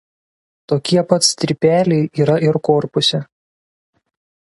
Tokie pat strypeliai yra ir korpuse.